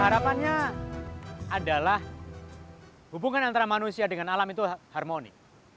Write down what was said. harapannya adalah hubungan antara manusia dengan alam itu harmoni